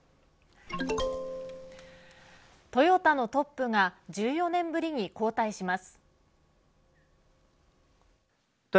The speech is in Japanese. トヨタのトップが１４年ぶりに交代します。